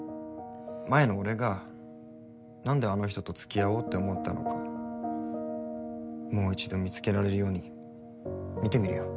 前の俺がなんであの人とつきあおうって思ったのかもう一度見つけられるように見てみるよ。